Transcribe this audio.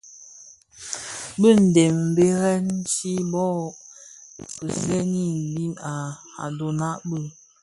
Bị dèm mbèrèn chi bò kiseni mbiň a ndhoňa bi.